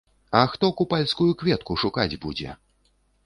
А хто купальскую кветку шукаць будзе?